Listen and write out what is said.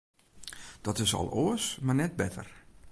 Dat is al oars, mar net better.